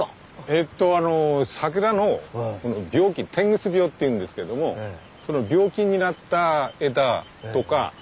えっとあの桜の病気「てんぐ巣病」っていうんですけどもその病気になった枝とかあと枯れてるやつ。